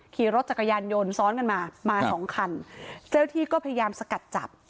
ขี่รถจักรยานยนต์ซ้อนกันมามาสองคันเจ้าที่ก็พยายามสกัดจับ